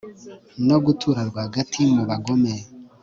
no gutura rwagati mu bagome